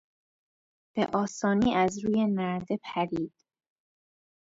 به آسانی از روی نرده پرید.